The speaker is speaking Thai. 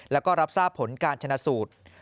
แล้วก็รับทราบผลการชนะสูตร